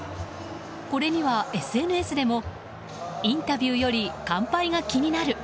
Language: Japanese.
これには、ＳＮＳでもインタビューより「乾杯」が気になる。